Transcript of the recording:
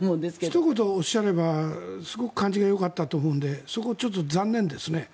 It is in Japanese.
ひと言おっしゃればすごく感じがよかったと思うのでそこ、ちょっと残念ですね。